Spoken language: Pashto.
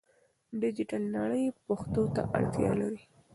ډیجیټل نړۍ پښتو ته اړتیا لري.